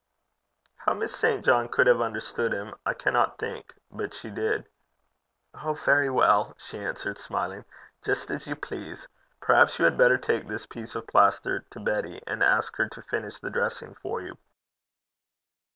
How Miss St. John could have understood him, I cannot think; but she did. 'Oh! very well,' she answered, smiling. 'Just as you please. Perhaps you had better take this piece of plaster to Betty, and ask her to finish the dressing for you.'